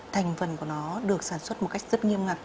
thành phần của nó được sản xuất một cách rất nghiêm ngặt